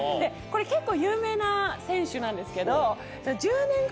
これ結構有名な選手なんですけど。